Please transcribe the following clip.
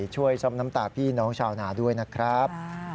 ช่วยซ่อมน้ำตาพี่น้องชาวนาด้วยนะครับ